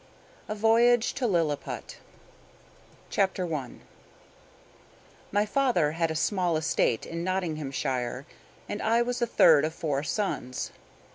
A VOYAGE TO LILLIPUT CHAPTER I My father had a small estate in Nottinghamshire, and I was the third of four sons.